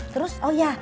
terus oh iya